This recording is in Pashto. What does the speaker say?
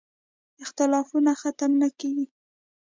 اختلافونه ختم نه کېږي.